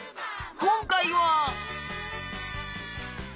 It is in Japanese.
今回は。